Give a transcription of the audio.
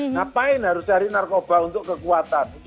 ngapain harus cari narkoba untuk kekuatan